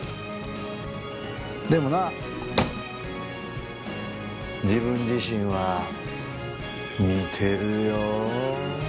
でもな自分自身は見てるよ。